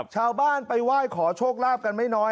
ชาวบ้านไปไหว้ขอโชคลาภกันไม่น้อย